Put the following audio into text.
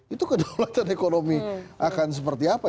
itu kedaulatan ekonomi akan seperti apa